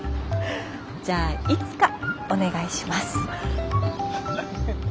じゃあいつかお願いします。